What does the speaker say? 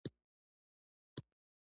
کتل د تفاهم یوه لاره ده